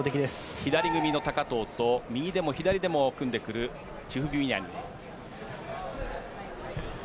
左組みの高藤と右でも左でも組んでくるチフビミアニ。